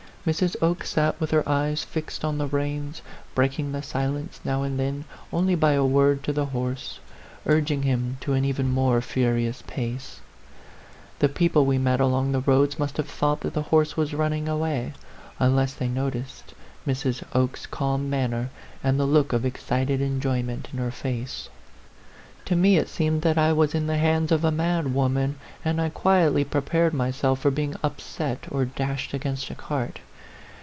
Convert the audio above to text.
Mrs. Oke sat with her eyes fixed on the reins, breaking the silence now and then only by a word to the horse, urging him to an even more fu rious pace. The people we met along the roads must have thought that the horse was running away, unless they noticed Mrs. Oke's 84 A PHANTOM LOVER calm manner and the look of excited enjoy ment in her face. To me it seemed that I was in the hands of a mad woman, and I quietly prepared myself for being upset or dashed against a cart.